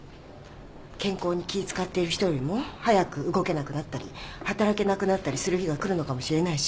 健康に気使ってる人よりも早く動けなくなったり働けなくなったりする日が来るのかもしれないし。